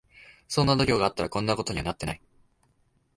そんな度胸があったらこんなことになってない